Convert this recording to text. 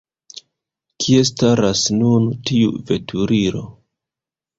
Kie staras nun tiu veturilo?